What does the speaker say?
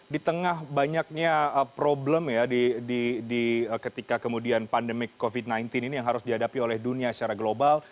di tengah banyaknya problem ya ketika kemudian pandemi covid sembilan belas ini yang harus dihadapi oleh dunia secara global